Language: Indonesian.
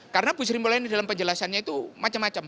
karena bu sri mulyani dalam penjelasannya itu macam macam